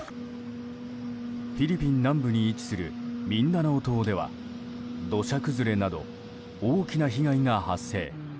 フィリピン南部に位置するミンダナオ島では土砂崩れなど大きな被害が発生。